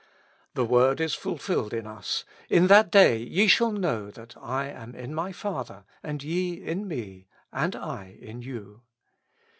The word is fulfilled in us: "In that day ye shall know that I am in my Father and ye in me, and I in you."